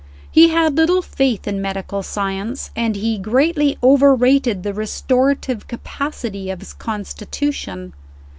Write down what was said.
He had little faith in medical science, and he greatly overrated the restorative capacity of his constitution.